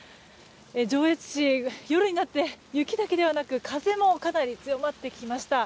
上越市、夜になって雪だけではなく風もかなり強まってきました。